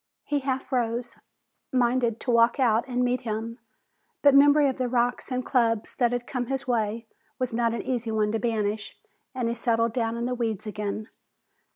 He half rose, minded to walk out and meet him, but memory of the rocks and clubs that had come his way was not an easy one to banish and he settled down in the weeds again.